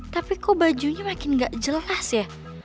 tapi kok bajunya makin nggak jelas ya